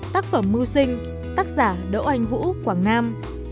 tác phẩm mưu sinh tác giả đỗ anh vũ quảng nam